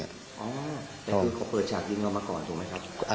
แต่คือเขาเปิดฉากยิงเรามาก่อนถูกไหมครับ